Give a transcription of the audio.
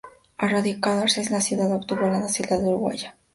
Al radicarse en esa ciudad, obtuvo la nacionalidad uruguaya.